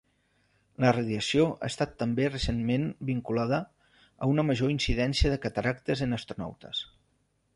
La radiació ha estat també recentment vinculada a una major incidència de cataractes en astronautes.